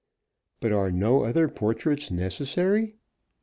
But are no other portraits necessary?